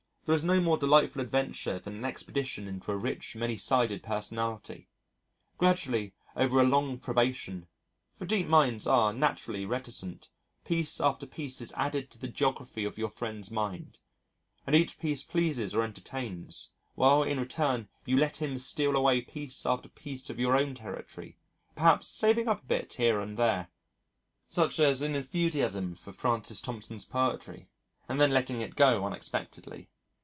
There is no more delightful adventure than an expedition into a rich, many sided personality. Gradually over a long probation for deep minds are naturally reticent piece after piece is added to the geography of your friend's mind, and each piece pleases or entertains, while in return you let him steal away piece after piece of your own territory, perhaps saving a bit up here and there such as an enthusiasm for Francis Thompson's poetry and then letting it go unexpectedly.